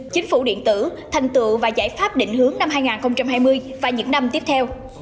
chính phủ điện tử thành tựu và giải pháp định hướng năm hai nghìn hai mươi và những năm tiếp theo